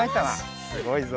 すごいぞ。